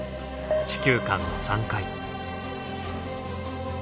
地球館の３階。